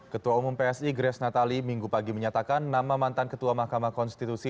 ketua umum psi grace natali minggu pagi menyatakan nama mantan ketua mahkamah konstitusi